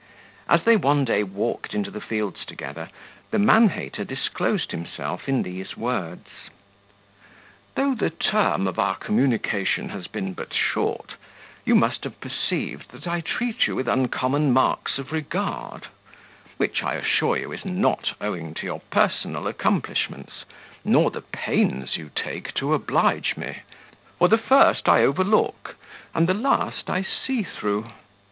As they one day walked into the fields together, the man hater disclosed himself in these words: "Though the term of our communication has been but short, you must have perceived, that I treat you with uncommon marks of regard; which, I assure you, is not owing to your personal accomplishments, nor the pains you take to oblige me; for the first I overlook, and the last I see through.